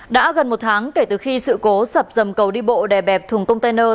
đã gần một tháng kể từ khi sự cố sập dầm cầu đi bộ đè bẹp thùng container